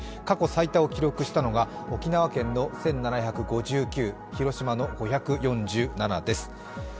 過去最多を記録したのが沖縄県の１７５９、広島の５４７です。